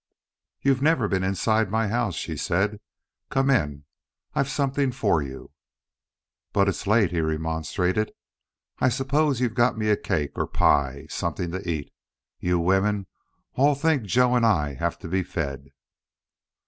"You've never been inside my house," she said. "Come in. I've something for you." "But it's late," he remonstrated. "I suppose you've got me a cake or pie something to eat. You women all think Joe and I have to be fed."